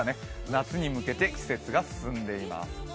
夏に向けて季節が進んでいます。